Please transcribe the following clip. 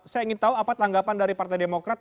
saya ingin tahu apa tanggapan dari partai demokrat